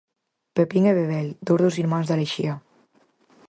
Pepin e Bebel, dous dos 'Irmáns da Lexía'.